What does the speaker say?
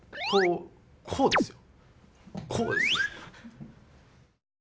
こうですよ！